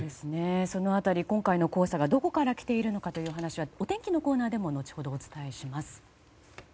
その辺り今回の黄砂がどこから来ているのかというお話はお天気のコーナーでも後ほどお伝えします。